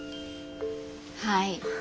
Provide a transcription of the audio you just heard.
はい。